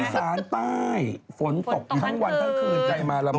พี่สารป้ายฝนตกทั้งวันทั้งคืนใจมาลำบาก